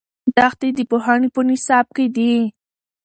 دښتې د پوهنې په نصاب کې دي.